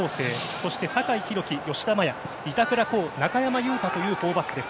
そして酒井宏樹、吉田麻也板倉滉、中山雄太という４バックです。